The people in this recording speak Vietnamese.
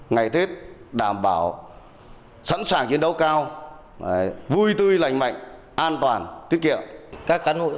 ngày tết đảm bảo sẵn sàng chiến đấu cao vui tươi lành mạnh an toàn tiết kiệm